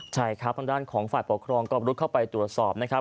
ใช่ครับทางด้านของฝ่ายปกครองก็รุดเข้าไปตรวจสอบนะครับ